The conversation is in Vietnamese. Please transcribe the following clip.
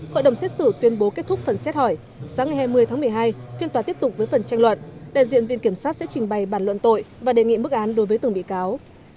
hội đồng xét xử tuyên bố kết thúc phần xét hỏi sáng ngày hai mươi tháng một mươi hai phiên tòa tiếp tục với phần tranh luận đại diện viện kiểm sát sẽ trình bày bản luận tội và đề nghị mức án đối với từng bị cáo